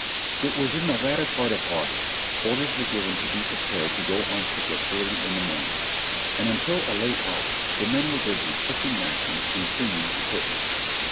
It. was in the latter part of August; orders were given to be prepared to go on picket early in the morning; and until a late hour the men were busy cooking rations and cleaning equipments.